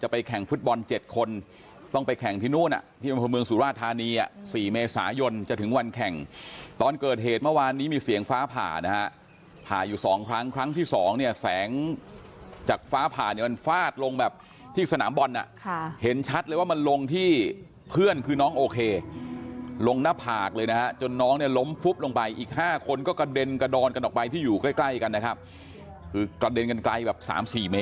จะไปแข่งฟุตบอลเจ็ดคนต้องไปแข่งที่นู้นอ่ะที่บรรพเมืองสุราธารณียะสี่เมษายนจะถึงวันแข่งตอนเกิดเหตุเมื่อวานนี้มีเสียงฟ้าผ่านะฮะผ่าอยู่สองครั้งครั้งที่สองเนี้ยแสงจากฟ้าผ่าเนี้ยมันฟาดลงแบบที่สนามบอลน่ะค่ะเห็นชัดเลยว่ามันลงที่เพื่อนคือน้องโอเคลงหน้าผากเลยนะฮะจนน้องเนี้ยล้ม